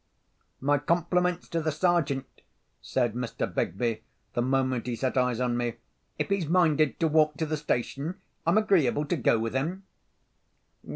"My compliments to the Sairgent," said Mr. Begbie, the moment he set eyes on me. "If he's minded to walk to the station, I'm agreeable to go with him."